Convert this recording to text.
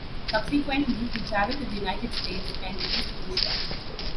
Subsequently, he traveled to the United States and East Asia.